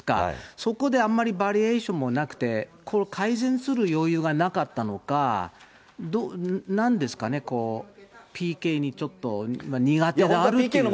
そこであんまりバリエーションもなくて、これ、改善する余裕がなかったのか、なんですかね、ＰＫにちょっと、苦手があるのか。